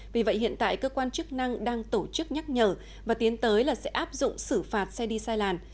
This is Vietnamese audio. vì vậy hiện tại cơ quan chức năng đang tổ chức nhắc nhở và tiến tới là sẽ áp dụng xử phạt xe đi sai làn